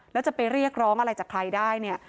แล้วจะไปเรียกร้องอะไรจากใครได้เนี่ย